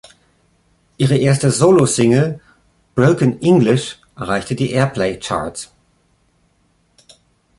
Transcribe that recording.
Ihre erste Solo-Single „Broken English“ erreichte die Airplay Charts.